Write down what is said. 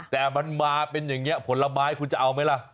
แต่มันมาเป็นอย่างนี้ผลไม้คุณจะเอาไหมล่ะ